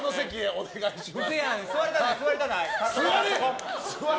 お願いします。